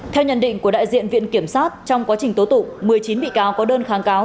theo nhận định của đại diện viện kiểm sát trong quá trình tố tụ một mươi chín bị cáo có đơn kháng cáo